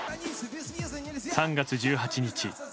３月１８日